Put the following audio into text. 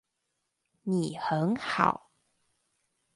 你很好